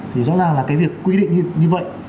thì rõ ràng là cái việc quy định như vậy